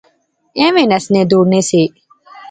ایویں نسنے دوڑنے سے